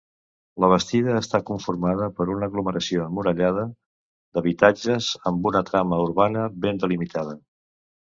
La Bastida està conformada per una aglomeració emmurallada d'habitatges amb una trama urbana ben delimitada.